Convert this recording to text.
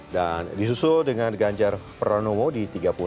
dan disusul dengan ganjar pranowo di tiga puluh enam satu